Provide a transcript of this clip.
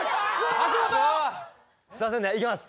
橋本すいませんねいきます